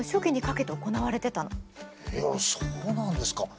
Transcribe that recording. いやそうなんですか。